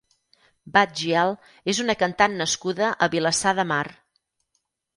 Bad Gyal és una cantant nascuda a Vilassar de Mar.